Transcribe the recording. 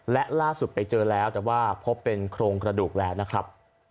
และล่าสุดไปเจอแล้วแต่ว่าพบเป็นโครงกระดูกแล้วนะครับ